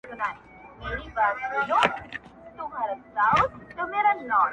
• د غزل عنوان مي ورکي و ښکلا ته,